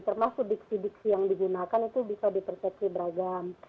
termasuk diksi diksi yang digunakan itu bisa dipersepsi beragam